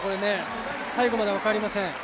最後まで分かりません。